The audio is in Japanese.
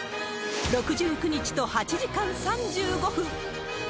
６９日と８時間３５分。